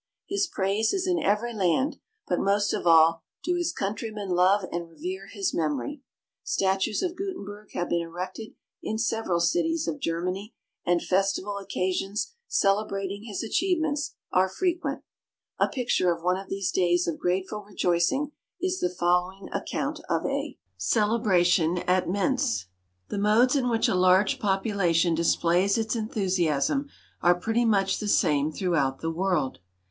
His praise is in every land, but most of all do his countrymen love and revere his memory. Statues of Gutenberg have been erected in several cities of Germany, and festival occasions celebrating his achievements are frequent. A picture of one of these days of grateful rejoicing is the following account of a CELEBRATION AT MENTZ. "The modes in which a large population displays its enthusiasm are pretty much the same throughout the world.